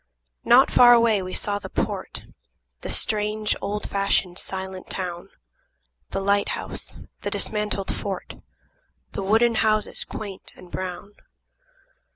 Not far away we saw the port, – The strange, old fashioned, silent town, – The lighthouse – the dismantled fort, – The wooden houses, quaint and brown.